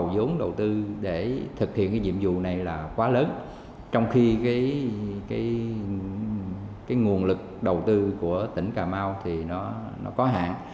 để thực hiện cái nhiệm vụ này là quá lớn trong khi cái nguồn lực đầu tư của tỉnh cà mau thì nó có hạn